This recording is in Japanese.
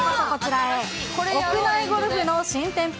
屋内ゴルフの新店舗